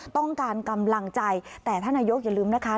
ต้องการกำลังใจแต่ท่านนายกอย่าลืมนะคะ